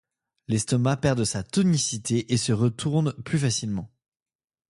L'estomac perd de sa tonicité et se retourne plus facilement.